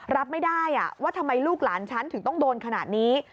รับไม่ได้ว่าทำไมลูกหลานฉันถึงต้องโดนขนาดนี้